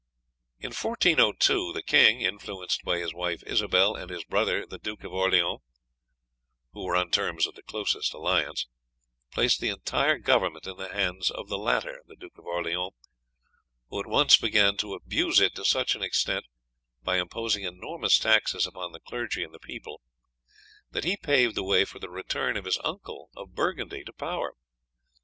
"In 1402 the king, influenced by his wife, Isobel, and his brother, the Duke of Orleans, who were on terms of the closest alliance, placed the entire government in the hands of the latter, who at once began to abuse it to such an extent, by imposing enormous taxes upon the clergy and the people, that he paved the way for the return of his uncle of Burgundy to power.